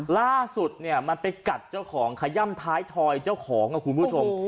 ล่าสุดเนี่ยมันไปกัดเจ้าของขย่ำท้ายทอยเจ้าของคุณผู้ชม